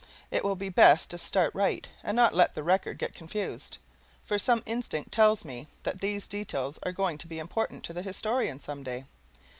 It will be best to start right and not let the record get confused, for some instinct tells me that these details are going to be important to the historian some day.